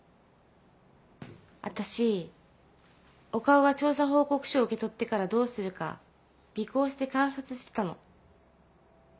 私岡尾が調査報告書を受け取ってからどうするか尾行して観察してたの。